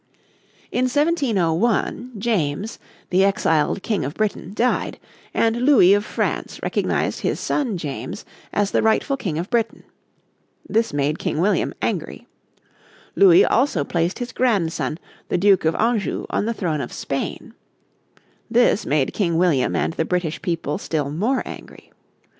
In 1701 James, the exiled King of Britain, died; and Louis of France recognised his son James as the rightful King of Britain. This made King William angry. Louis also placed his grandson, the Duke of Anjou, on the throne of Spain. This made King William and the British people still more angry.